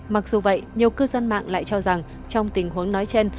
mặc dù vậy nhiều cư dân mạng lại cho rằng trong tình huống nói trên